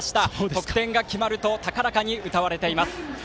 得点が決まると高らかに歌われています。